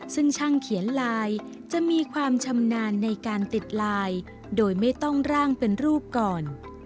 ซึ่งช่างเขียนลายจะมีความชำนาญในการติดลายโดยไม่ต้องร่างเป็นรูปก่อน